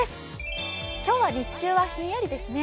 今日は日中はひんやりですね。